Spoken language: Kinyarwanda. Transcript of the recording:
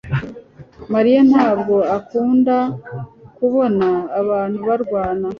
mariya ntabwo akunda kubona abantu barwana